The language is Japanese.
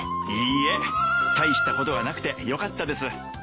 いいえ大したことがなくてよかったです。